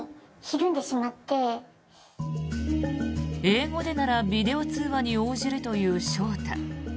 英語でならビデオ通話に応じるという翔太。